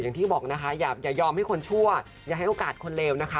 อย่างที่บอกนะคะอย่ายอมให้คนชั่วอย่าให้โอกาสคนเลวนะคะ